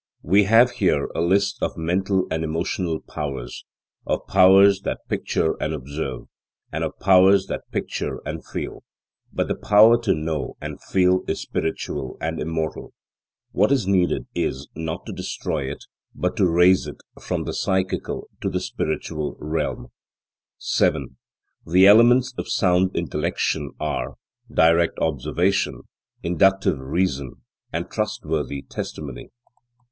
We have here a list of mental and emotional powers; of powers that picture and observe, and of powers that picture and feel. But the power to know and feel is spiritual and immortal. What is needed is, not to destroy it, but to raise it from the psychical to the spiritual realm. 7. The elements of sound intellection are: direct observation, inductive reason, and trustworthy testimony.